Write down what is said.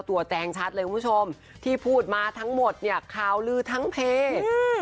แจงชัดเลยคุณผู้ชมที่พูดมาทั้งหมดเนี่ยข่าวลือทั้งเพจอืม